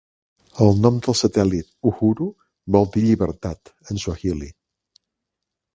El nom del satèl·lit, "Uhuru", vol dir "llibertat" en swahili.